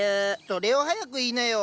それを早く言いなよ！